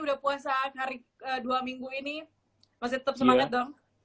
udah puasa hari dua minggu ini masih tetap semangat dong